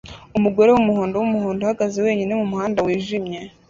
Umugore wumuhondo wumuhondo uhagaze wenyine mumuhanda wijimye